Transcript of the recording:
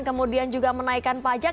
kemudian juga menaikan pajak